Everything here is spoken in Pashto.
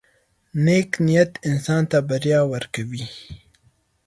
• نیک نیت انسان ته بریا ورکوي.